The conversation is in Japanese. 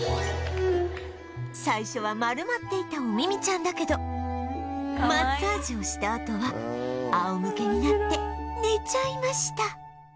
最初は丸まっていたおみみちゃんだけどマッサージをしたあとは仰向けになって寝ちゃいました